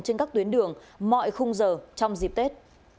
trên các tuyến đường mọi khung giờ trong dịp tết